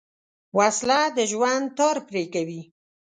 وسله د ژوند تار پرې کوي